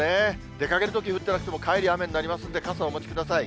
出かけるとき降ってなくても、帰り雨になりますんで、傘をお持ちください。